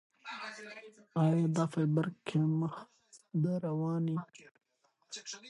آیا د فایبر کمښت د رواني ستونزو سبب کیږي؟